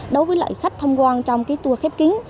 đối với lại khách tham quan trong tour khép kín